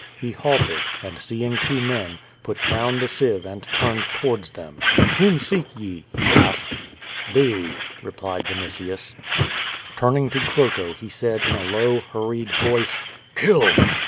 He haltcil, and seeing two men, put down the sieve and turned towards! them. "WTiom seek ye?" he asked. "Thee," replied Vinitius. akrvim; iHi: QUO VADIS. 173 Turning to Croto he said in a low, hurried voice, "Kill!"